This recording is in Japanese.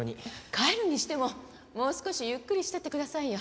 帰るにしてももう少しゆっくりしていってくださいよ。